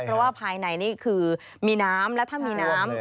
เพราะว่าภายในนี่คือมีน้ำและถ้ามีน้ำ